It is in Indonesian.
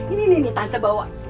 ini nih tante bawa